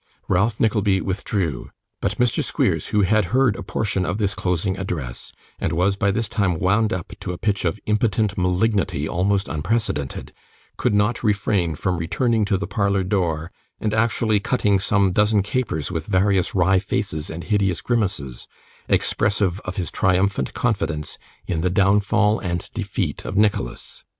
Ralph Nickleby withdrew. But Mr. Squeers, who had heard a portion of this closing address, and was by this time wound up to a pitch of impotent malignity almost unprecedented, could not refrain from returning to the parlour door, and actually cutting some dozen capers with various wry faces and hideous grimaces, expressive of his triumphant confidence in the downfall and defeat of Nicholas.